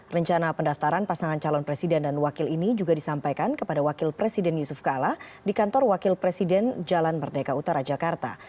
rencana pendaftaran pasangan calon presiden dan wakil ini juga disampaikan kepada wakil presiden yusuf kala di kantor wakil presiden jalan merdeka utara jakarta